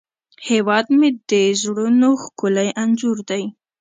هیواد مې د زړونو ښکلی انځور دی